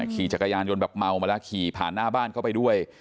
ขี่จักรยานยนต์แบบเมามาแล้วขี่ผ่านหน้าบ้านเข้าไปด้วย